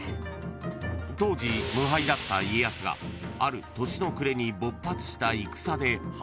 ［当時無敗だった家康がある年の暮れに勃発した戦で敗戦］